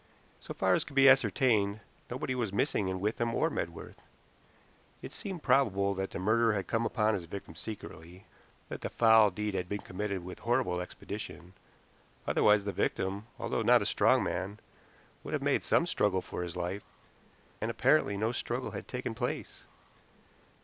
So far as could be ascertained, nobody was missing in Withan or Medworth. It seemed probable that the murderer had come upon his victim secretly, that the foul deed had been committed with horrible expedition, otherwise the victim, although not a strong man, would have made some struggle for his life, and apparently no struggle had taken place.